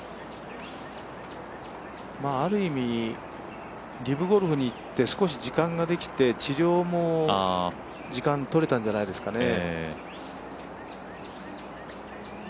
ある意味、リブゴルフに行って少し時間ができて治療も時間がとれたんじゃないですかね。